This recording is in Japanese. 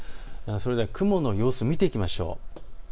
それでは雲の様子を見ていきましょう。